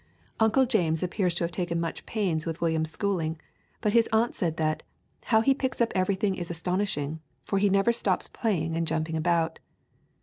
Uncle James appears to have taken much pains with William's schooling, but his aunt said that "how he picks up everything is astonishing, for he never stops playing and jumping about."